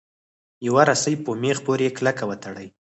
یوه رسۍ په میخ پورې کلکه وتړئ.